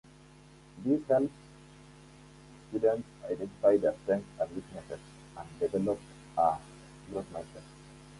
This helps students identify their strengths and weaknesses and develop a growth mindset.